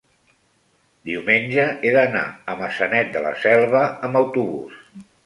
diumenge he d'anar a Maçanet de la Selva amb autobús.